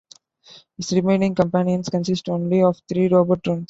His remaining companions consist only of three robot drones.